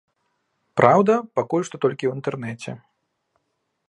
Праўда, пакуль што толькі ў інтэрнэце.